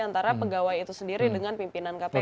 antara pegawai itu sendiri dengan pimpinan kpk